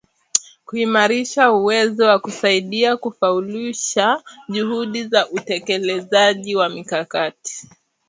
kuimarisha uwezo wao wa kusaidia kufaulisha juhudi za utekelezaji wa mikakati